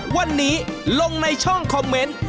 วันนี้ลงในช่องคอมเมนต์